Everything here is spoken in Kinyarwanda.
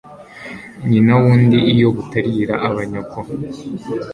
nyina w'undi iyo butarira aba nyoko